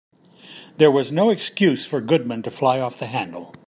There was no excuse for Goodman to fly off the handle.